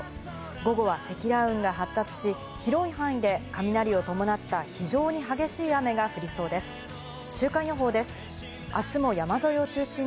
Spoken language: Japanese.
午後は積乱雲が発達し、広い範囲で雷を伴った非常に激しい雨が降いってらっしゃい！